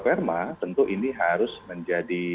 perma tentu ini harus menjadi